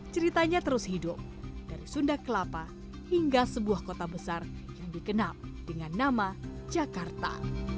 ceritanya terus hidup dari sunda kelapa hingga sebuah kota besar yang dikenal dengan nama jakarta